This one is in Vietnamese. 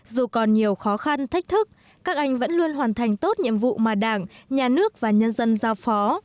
dù còn nhiều khó khăn thách thức các anh vẫn luôn hoàn thành tốt nhiệm vụ mà đảng nhà nước và nhân dân giao phó